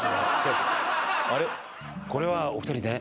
これはお二人ね